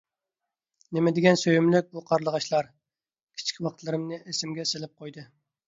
نېمىدېگەن سۆيۈملۈك بۇ قارلىغاچلار! كىچىك ۋاقىتلىرىمنى ئېسىمگە سېلىپ قويدى.